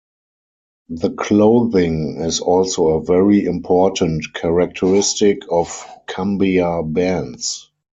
The clothing is also a very important characteristic of cumbia bands.